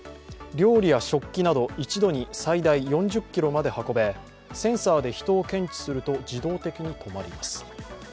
料理や食器など、一度に最大４０ｋｇまで運べ、センサーで人を検知すると自動的に止まります。